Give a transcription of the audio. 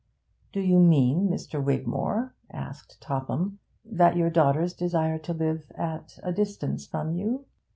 'Do you mean, Mr. Wigmore,' asked Topham, 'that your daughters desire to live at a distance from you?'